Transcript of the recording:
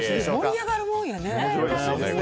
盛り上がるもんやね。